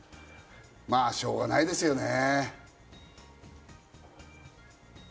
まぁ、しょうがないですよね。